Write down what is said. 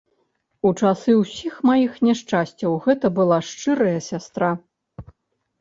У часы ўсіх маіх няшчасцяў гэта была шчырая сястра.